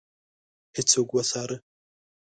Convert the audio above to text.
هیڅوک وڅاره.